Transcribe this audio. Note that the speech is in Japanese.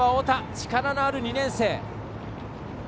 力のある２年生。